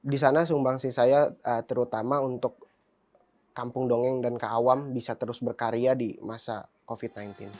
di sana sumbangsi saya terutama untuk kampung dongeng dan kak awam bisa terus berkarya di masa covid sembilan belas